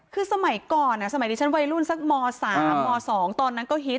คือสมัยก่อนสมัยที่ฉันวัยรุ่นสักม๓ม๒ตอนนั้นก็ฮิต